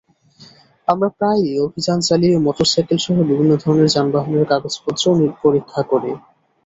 আমরা প্রায়ই অভিযান চালিয়ে মোটরসাইকেলসহ বিভিন্ন ধরনের যানবাহনের কাগজপত্র পরীক্ষা করি।